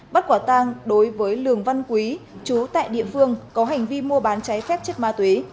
bắt quả tang đối với lường văn quý chú tại địa phương có hành vi mua bán cháy phép chất ma túy